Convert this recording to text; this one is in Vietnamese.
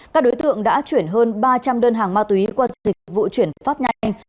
các đối tượng đã chuyển hơn ba trăm linh đơn hàng ma túy qua dịch vụ chuyển phát nhanh